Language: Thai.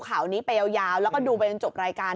ข่าวนี้ไปยาวแล้วก็ดูไปจนจบรายการ